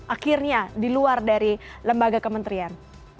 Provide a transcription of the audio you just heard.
akhirnya di luar dari lembaga kementerian